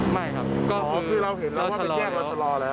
ไม่ครับก็คือเราเห็นแล้วว่าไปแยกเราชะลอแล้ว